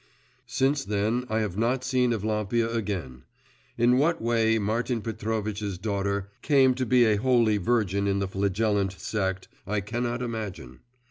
Since then I have not seen Evlampia again. In what way Martin Petrovitch's daughter came to be a Holy Virgin in the Flagellant sect I cannot imagine.